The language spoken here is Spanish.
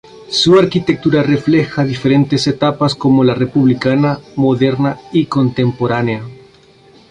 Su arquitectura refleja diferentes etapas como la republicana, moderna y contemporánea.